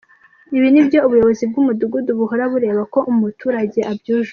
Ibi nibyo ubuyobozi bw’umudugudu buhora bureba ko umuturage abyujuje.